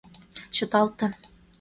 — Чыталте.